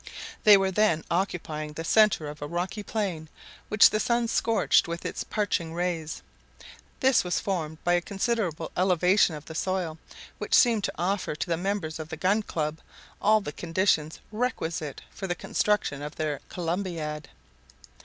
They were then occupying the center of a rocky plain, which the sun scorched with its parching rays. This was formed by a considerable elevation of the soil, which seemed to offer to the members of the Gun Club all the conditions requisite for the construction of their Columbiad.